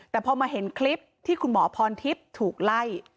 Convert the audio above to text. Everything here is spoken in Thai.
แต่พอมาเห็นคลิปที่คุณหมอพรทิพย์ถูกไล่